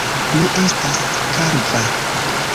Mi estas kalva.